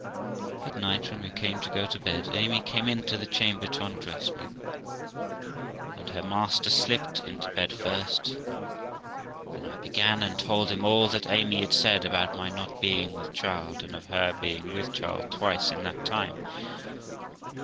At night, when we came to go to bed, Amy came into the chamber to undress me, and her master slipped into bed first; then I began, and told him all that Amy had said about my not being with child, and of her being with child fcwice in that time.